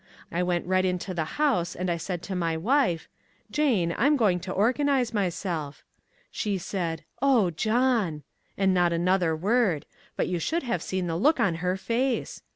I went right in to the house and I said to my wife, "Jane, I'm going to organize myself." She said, "Oh, John!" and not another word, but you should have seen the look on her face.